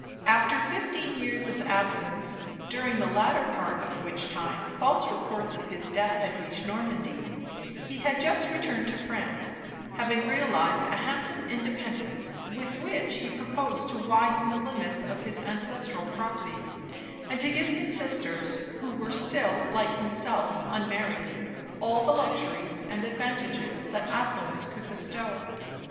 After fifteen years of absence (during the latter part of which time false reports of his death had reached Normandy), he had just returned to France, having realized a handsome independence, with which he proposed to widen the limits of his ancestral property, and to give his sisters (who were still, like himself, unmarried) all the luxuries and advantages that affluence could bestow.